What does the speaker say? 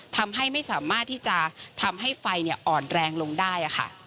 ทำให้ไม่สามารถที่จะทำให้ไฟอ่อนแรงลงได้